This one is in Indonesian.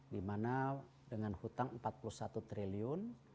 dimana dengan hutang rp empat puluh satu triliun